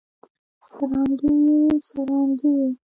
سرانګې ئې ، څرانګې ئې